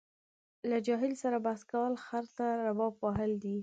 له جاهل سره بحث کول خره ته رباب وهل دي.